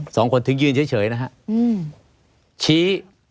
สองคนถึงยืนเฉยนะฮะอืมชี้